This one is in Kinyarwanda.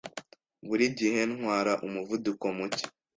Buri gihe ntwara umuvuduko muke.